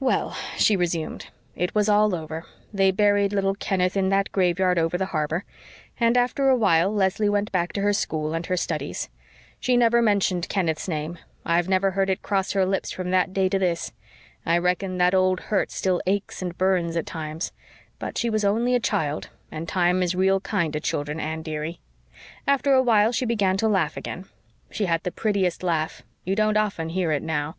"Well," she resumed, "it was all over they buried little Kenneth in that graveyard over the harbor, and after a while Leslie went back to her school and her studies. She never mentioned Kenneth's name I've never heard it cross her lips from that day to this. I reckon that old hurt still aches and burns at times; but she was only a child and time is real kind to children, Anne, dearie. After a while she began to laugh again she had the prettiest laugh. You don't often hear it now."